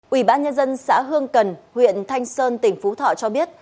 ủy ban nhân dân xã hương cần huyện thanh sơn tỉnh phú thọ cho biết